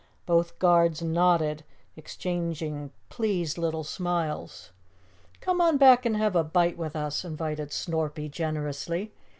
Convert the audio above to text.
Both Guards nodded, exchanging pleased little smiles. "Come on back and have a bite with us," invited Snorpy generously.